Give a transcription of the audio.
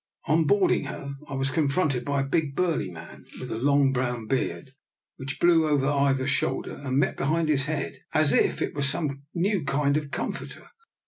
On boarding her I was confronted by a big, burly man with a long brown beard, which blew over either shoulder and met behind his head as if it were some new kind of com forter.